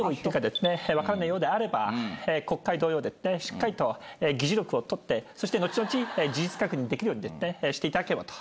分からないようであれば国会同様しっかりと議事録を取ってそして後々事実確認できるようしていただければと。